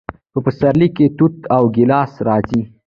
په پسرلي کې توت او ګیلاس راځي.